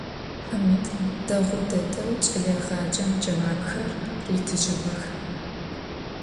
Hamid değu dedeu ç'eleêğacem ceuapxer ritıjığex.